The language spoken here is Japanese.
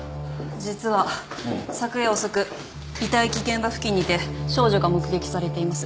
実は昨夜遅く遺体遺棄現場付近にて少女が目撃されています。